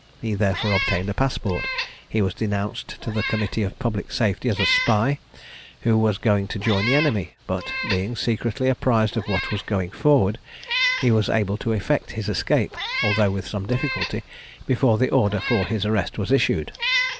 He therefore obtained a passport; he was denounced to the committee of public safety as a spy, who was going to join the enemy; but being secretly apprised of what was going forward, he was able to effect his escape, although with some difficulty, before the order for his arrest was issued.